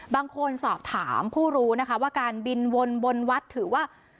บางคนสอบถามผู้รู้นะคะว่าการบินวนบนวัดถือว่า